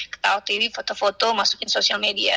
ketahuan tv foto foto masukin sosial media